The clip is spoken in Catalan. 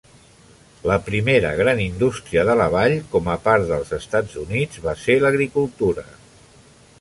La primera gran industria de la vall com a part dels Estats Units va ser l'agricultura.